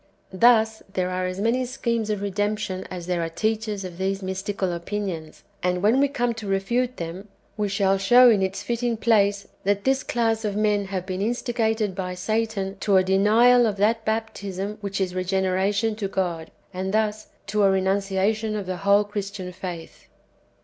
Thus there are as manv sciiemes of "redemption" as there are teachers of these mystical opinions. And when we come to refute them, we shall show in its fitting place, that this class of men have been instigated by Satan to a denial of that baptism which is regeneration to God, and thus to a renunciation of the whole [Christian] faith.